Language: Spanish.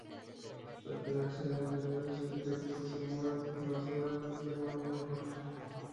Al quedar sin herederos directos, a su muerte lo sucede su hermano Juan Jorge.